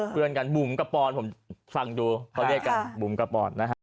เพื่อนกันบุ๋มกับปอนผมฟังดูเขาเรียกกันบุ๋มกับปอนนะฮะ